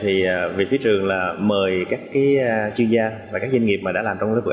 thì vị phía trường là mời các chuyên gia và các doanh nghiệp mà đã làm trong lớp của